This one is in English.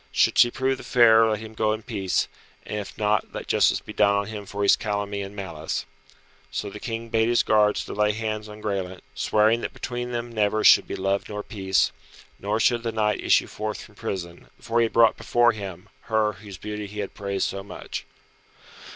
Should she prove the fairer let him go in peace; but if not, let justice be done on him for his calumny and malice." So the King bade his guards to lay hands on Graelent, swearing that between them never should be love nor peace, nor should the knight issue forth from prison, until he had brought before him her whose beauty he had praised so much.